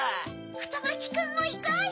ふとまきくんもいこうよ。